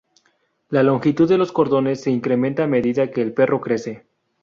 La longitud de los cordones se incrementa a medida que el perro crece.